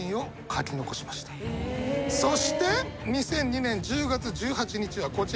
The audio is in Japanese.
そして２００２年１０月１８日はこちら。